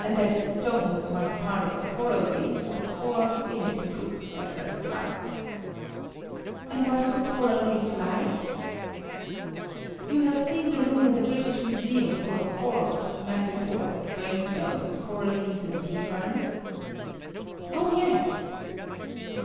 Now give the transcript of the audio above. And that this stone was once part of a coral reef the corals in it prove at first sight. And what is a coral reef like? You have seen the room in the British Museum full of corals, madrepores, brain stones, corallines, and sea ferns? Oh yes.